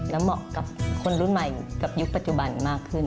และเหมาะกับคนรุ่นใหม่กับยุคปัจจุบันมากขึ้น